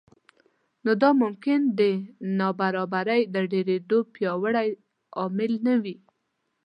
نو دا ممکن د نابرابرۍ د ډېرېدو پیاوړی عامل نه وي